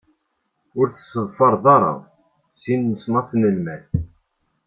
Ur tesseḍfareḍ ara sin n leṣnaf n lmal.